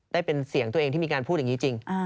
ได้เป็นเสียงตัวเองที่มีการพูดอย่างนี้จริง